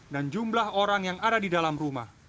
dan jumlah orang yang ada di dalam rumah